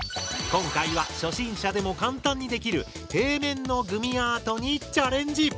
今回は初心者でも簡単にできる平面のグミアートにチャレンジ！